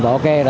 rất là vui vẻ